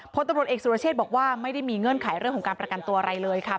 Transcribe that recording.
พลตำรวจเอกสุรเชษบอกว่าไม่ได้มีเงื่อนไขเรื่องของการประกันตัวอะไรเลยค่ะ